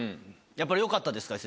やっぱりよかったですか？